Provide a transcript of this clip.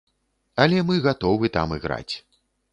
Але мы гатовы там іграць.